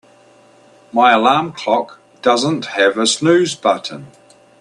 My alarm clock doesn't have a snooze button.